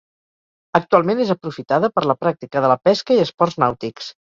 Actualment és aprofitada per la pràctica de la pesca i esports nàutics.